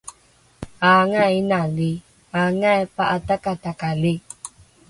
Aangai inali? Aangai pa'atakatakali?